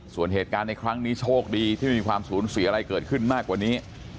ส่วนเหตุการณ์ในครั้งนี้โชคดีที่ไม่มีความสูญเสียอะไรเกิดขึ้นมากกว่านี้